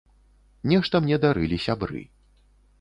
Нешта мне дарылі сябры.